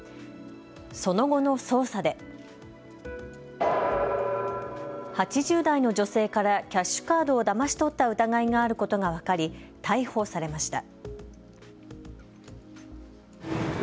その後の捜査で８０代の女性からキャッシュカードをだまし取った疑いがあることが分かり逮捕されました。